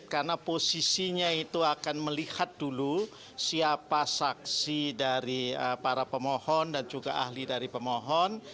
karena posisinya itu akan melihat dulu siapa saksi dari para pemohon dan juga ahli dari pemohon